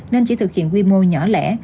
nên chỉ thực hiện quy mô nhỏ lẻ